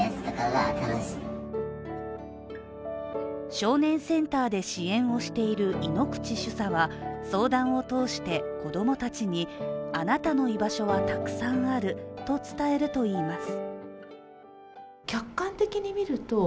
少年センターで支援をしている井口主査は相談を通して子供たちにあなたの居場所はたくさんあると伝えるといいます。